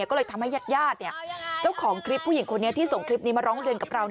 ก็เลยทำให้ญาติเจ้าของคลิปผู้หญิงคนนี้ที่ส่งคลิปนี้มาร้องเรียนกับเรา